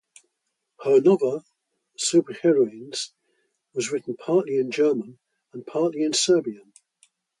Her novel "Superheroines" was written partly in German and partly in Serbian.